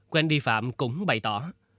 quên đi phạm cũng bày tỏ